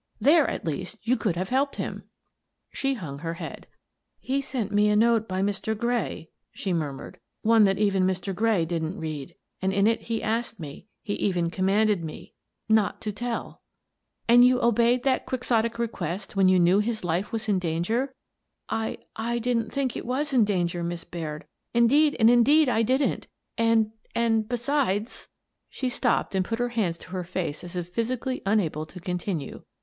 There at least you could have helped him! " She hung her head. " He sent me a note by Mr. Gray," she murmured, —" one that even Mr. Gray didn't read — and in it he asked me — he even commanded me — not to tell." 218 Miss Frances Baird, Detective " And you obeyed that quixotic request when you knew his life was in danger? " "I — I didn't think it was in danger, Miss Baird. Indeed and indeed I didn't and — and — be sides— " She stopped and put her hands to her face as if physically unable to continue.